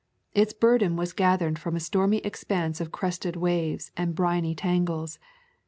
Its burden was gathered from a stormy expanse of crested waves and briny tangles.